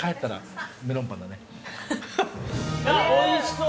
おいしそう！